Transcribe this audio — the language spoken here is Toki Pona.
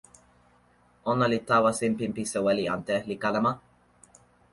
ona li tawa sinpin pi soweli ante, li kalama: